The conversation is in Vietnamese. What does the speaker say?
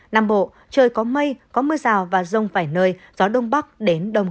năm bộ trời có mây có mưa rào và rông phải nơi gió đông bắc đến đông